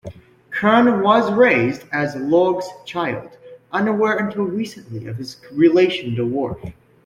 Kurn was raised as Lorgh's child, unaware until recently of his relation to Worf.